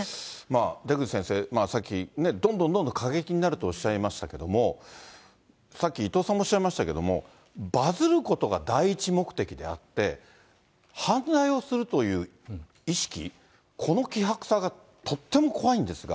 出口先生、さっきね、どんどんどんどん過激になるとおっしゃいましたけども、さっき伊藤さんもおっしゃいましたけれども、バズることが第一目的であって、犯罪をするという意識、この希薄さがとっても怖いんですが。